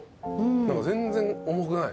何か全然重くない。